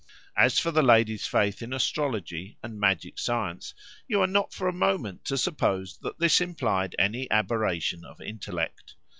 As for the lady's faith in astrology and magic science, you are not for a moment to suppose that this implied any aberration of intellect.